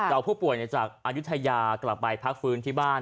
เอาผู้ป่วยจากอายุทยากลับไปพักฟื้นที่บ้าน